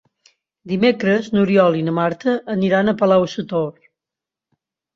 Dimecres n'Oriol i na Marta aniran a Palau-sator.